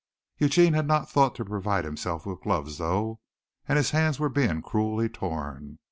Eugene had not thought to provide himself with gloves though, and his hands were being cruelly torn.